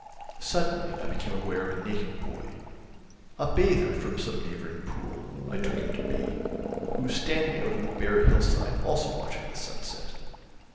Suddenly I became aware of a naked boy, a bather from some neighbouring pool, I took him to be, who was standing out on the bare hillside also watching the sunset.